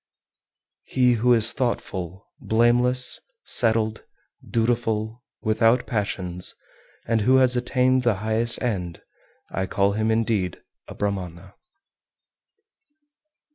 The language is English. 386. He who is thoughtful, blameless, settled, dutiful, without passions, and who has attained the highest end, him I call indeed a Brahmana.